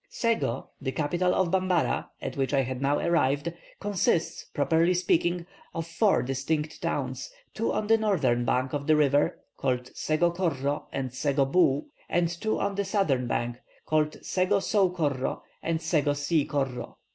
"Sego, the capital of Bambara, at which I had now arrived, consists, properly speaking, of four distinct towns; two on the northern bank of the river, called Sego Korro and Sego Boo, and two on the southern bank, called Sego Sou Korro and Sego See Korro.